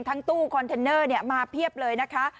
ทั้งตู้คอนเทนเนอร์เนี่ยมาเพียบเลยนะคะ